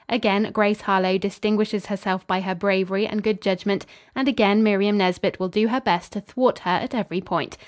Again Grace Harlowe distinguishes herself by her bravery and good judgment, and again Miriam Nesbit will do her best to thwart her at every point.